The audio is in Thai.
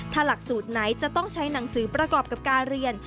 ถ้าหลักสูตรไหนจะต้องใช้หนังสือประกอบกับการเรียน